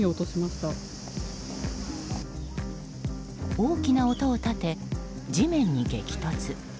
大きな音を立て地面に激突。